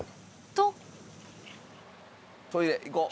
とトイレ行こう。